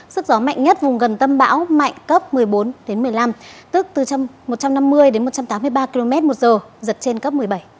sức gió mạnh nhất vùng gần tâm bão mạnh cấp một mươi bốn một mươi năm tức từ một trăm năm mươi đến một trăm tám mươi ba km một giờ giật trên cấp một mươi bảy